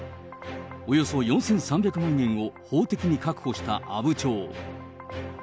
およそ４３００万円を法的に確保した阿武町。